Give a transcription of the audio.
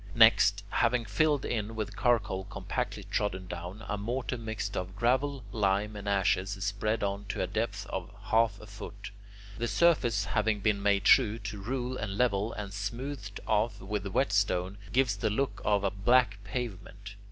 Next, having filled in with charcoal compactly trodden down, a mortar mixed of gravel, lime, and ashes is spread on to a depth of half a foot. The surface having been made true to rule and level, and smoothed off with whetstone, gives the look of a black pavement.